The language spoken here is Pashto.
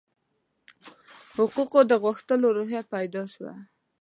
حقوقو د غوښتلو روحیه پیدا شوه.